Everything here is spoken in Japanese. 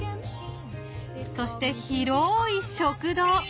そして広い食堂。